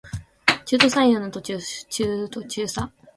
中途採用の途中さ